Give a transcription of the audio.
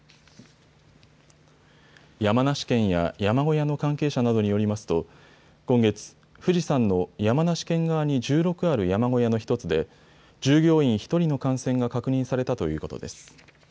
山梨県や山小屋の関係者などによりますと今月、富士山の山梨県側に１６ある山小屋の１つで従業員１人の感染が確認されたということです。